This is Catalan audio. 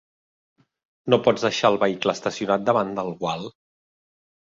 No pots deixar el vehicle estacionat davant del gual.